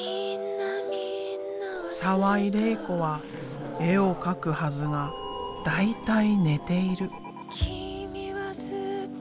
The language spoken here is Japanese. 澤井玲衣子は絵を描くはずが大体寝ている。